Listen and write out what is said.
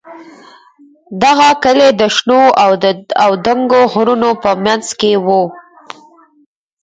دغه کلی د شنو او دنګو غرونو په منځ کې و.